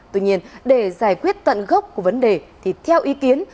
tuy nhiên để giải quyết tận gốc của vấn đề thì theo ý kiến